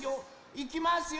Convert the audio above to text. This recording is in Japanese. いきますよ。